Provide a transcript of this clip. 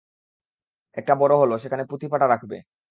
একটা বড় হল, সেখানে পুঁথি-পাটা রাখিবে।